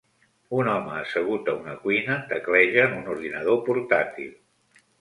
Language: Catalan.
Un home assegut a una cuina tecleja en un ordinador portàtil.